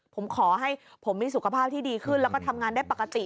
ผมขอให้ผมมีสุขภาพที่ดีขึ้นแล้วก็ทำงานได้ปกติ